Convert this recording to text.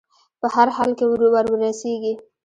په هر حال کې وررسېږي.